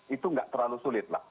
itu nggak terlalu sulit lah